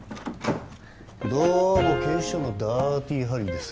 どうも警視庁の「ダーティハリー」です。